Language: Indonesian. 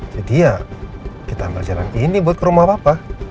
jadi ya kita ambil jalan ini buat ke rumah papa